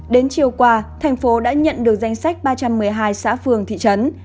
đến chiều qua thành phố đã nhận được danh sách ba trăm một mươi hai xã phường thị trấn